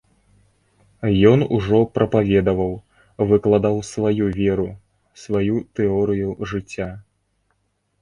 Ён ужо прапаведаваў, выкладаў сваю веру, сваю тэорыю жыцця.